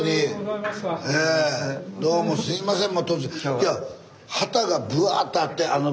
どうもすいません。